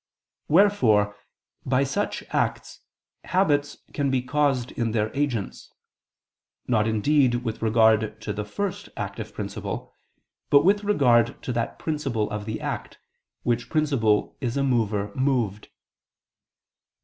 Wherefore by such acts habits can be caused in their agents; not indeed with regard to the first active principle, but with regard to that principle of the act, which principle is a mover moved.